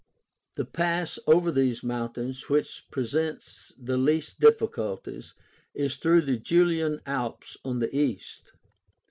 The pass over these mountains which presents the least difficulties is through the Julian Alps on the east.